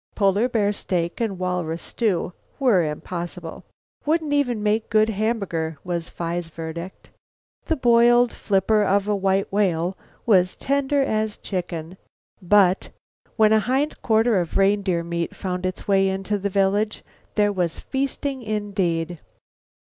Polar bear steak and walrus stew were impossible. "Wouldn't even make good hamburger," was Phi's verdict. The boiled flipper of a white whale was tender as chicken. But when a hind quarter of reindeer meat found its way into the village there was feasting indeed.